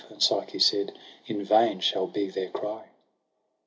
And Psyche said ' In vain shall be their cry.'